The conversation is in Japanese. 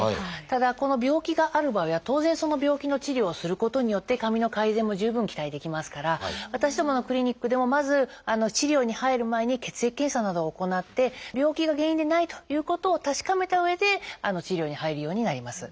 ただこの病気がある場合は当然その病気の治療をすることによって髪の改善も十分期待できますから私どものクリニックでもまず治療に入る前に血液検査などを行って病気が原因でないということを確かめたうえで治療に入るようになります。